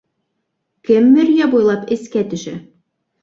—Кем мөрйә буйлап эскә төшә?